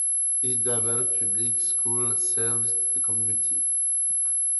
Idabel Public Schools serves the community.